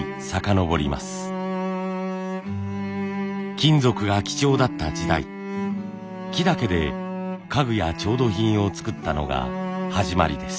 金属が貴重だった時代木だけで家具や調度品を作ったのが始まりです。